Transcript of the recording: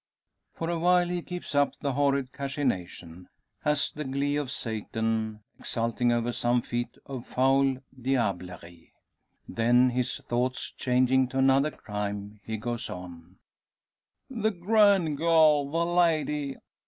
For a while he keeps up the horrid cachinnation, as the glee of Satan exulting over some feat of foul diablerie. Then his thoughts changing to another crime, he goes on: "The grand girl the lady!